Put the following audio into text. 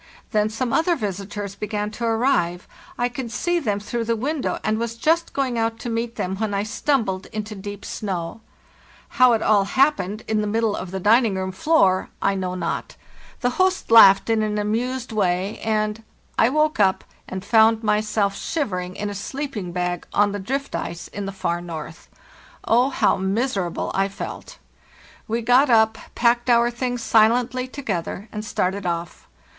Then some other visitors began to arrive; I could see them through the window, and was just going out to meet them when I stumbled into deep snow. How it all happened, in the middle of the dining NORTHWARDS THROUGH THE DRIFT SNOW. APRIL, 1895 (By AH. Egidius, from a photograph) ; A GARD STRUGGLE 161 room floor, I know not. The host laughed in an amused way, and—I woke up and found myself shivering in a sleeping bag on the drift ice in the far north. Oh, how miserable I felt! We got up, packed our things silently together, and started off.